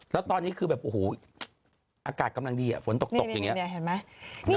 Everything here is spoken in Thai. แล้วตอนนี้คือแบบโอ้โหอากาศกำลังดีอ่ะฝนตกตกอย่างเงี้ย